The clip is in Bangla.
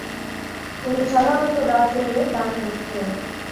তিনি সাধারণত রাত জেগে গান লিখতেন।